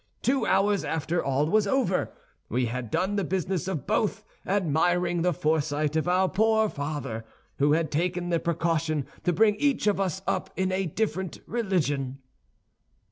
Two hours after, all was over; we had done the business of both, admiring the foresight of our poor father, who had taken the precaution to bring each of us up in a different religion."